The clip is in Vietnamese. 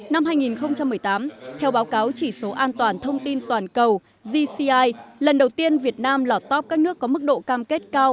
năm hai nghìn một mươi tám theo báo cáo chỉ số an toàn thông tin toàn cầu gci lần đầu tiên việt nam là top các nước có mức độ cam kết cao